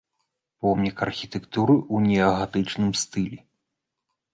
Помнік архітэктуры ў неагатычным стылі.